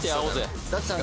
舘さん